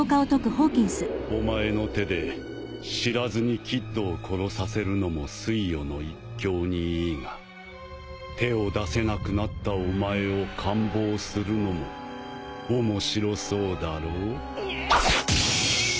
お前の手で知らずにキッドを殺させるのも酔余の一興にいいが手を出せなくなったお前を観望するのも面白そうだろう？ぬんっ！